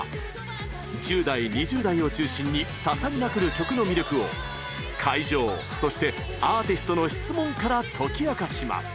１０代２０代を中心に刺さりまくる曲の魅力を会場そしてアーティストの質問から解き明かします！